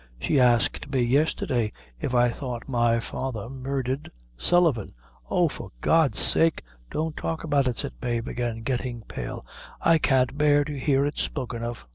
She asked me yestherday if I thought my father murdhered Sullivan." "Oh! for God's sake, don't talk about it," said Mave, again getting pale; "I can't bear to hear it spoken of."